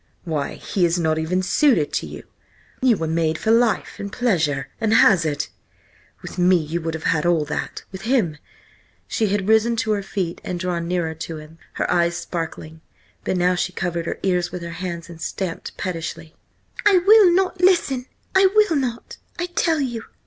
Why, he is not even suited to you! You were made for life and pleasure and hazard! With me you would have had all that; with him—" She had risen to her feet and drawn nearer to him, her eyes sparkling, but now she covered her ears with her hands and stamped pettishly. "I will not listen! I will not, I tell you!